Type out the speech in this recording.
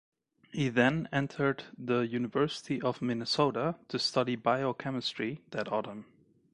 He then entered the University of Minnesota to study biochemistry that autumn.